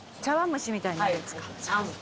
蒸しみたいなやつか。